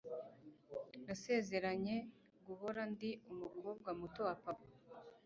nasezeranye guhora ndi umukobwa muto wa papa